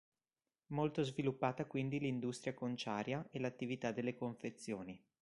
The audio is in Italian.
Molto sviluppata quindi l'industria conciaria e l'attività delle confezioni.